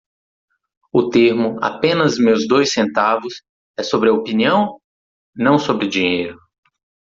O termo "apenas meus dois centavos" é sobre a opinião? não sobre dinheiro.